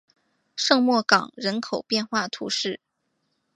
圣莫冈人口变化图示